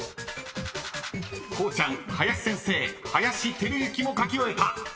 ［こうちゃん林先生林輝幸も書き終えた］